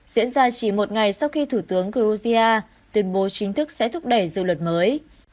diễn ra chỉ một ngày sau khi thủ tướng gruzia tuyên bố chính thức sẽ thúc đẩy dự luật mới